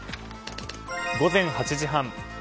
午前８時半。